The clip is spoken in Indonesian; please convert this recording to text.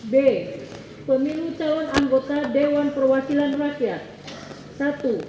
b pemilu calon anggota dewan perwakilan rakyat satu